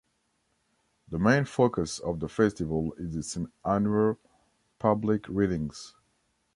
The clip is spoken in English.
The main focus of the festival is its annual public readings.